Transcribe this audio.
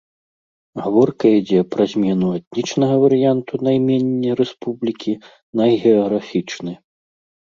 Гаворка ідзе пра змену этнічнага варыянту наймення рэспублікі на геаграфічны.